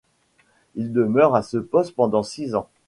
Il demeure à ce poste pendant six ans.